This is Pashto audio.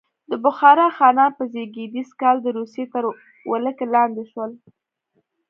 د بخارا خانان په زېږدیز کال د روسیې تر ولکې لاندې شول.